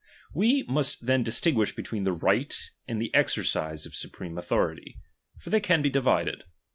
We must then distinguish between the rig/it and the exercise of supreme authority ; for they can be divided.